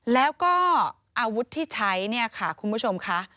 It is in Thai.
แล้วก็อาวุธที่ใช้คุณผู้ชมค่ะ